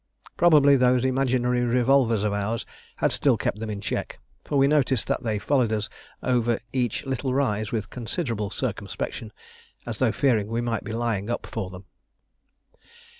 Probably those imaginary revolvers of ours had still kept them in check, for we noticed that they followed us over each little rise with considerable circumspection, as though fearing we might be lying up for them.